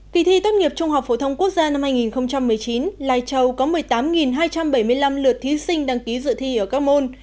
kỳ thi tốt nghiệp trung học phổ thông quốc gia năm hai nghìn một mươi chín lai châu có một mươi tám hai trăm bảy mươi năm lượt thí sinh đăng ký dự thi ở các môn